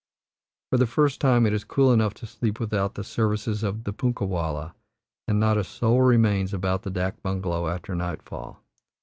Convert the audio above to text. For the first time it is cool enough to sleep without the services of the punkah wallah, and not a soul remains about the dak bungalow after nightfall.